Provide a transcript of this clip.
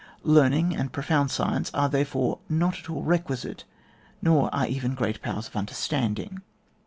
Learn ing and profound science are, therefore, not at all requisite, nor are even gr«*| powers of understanding.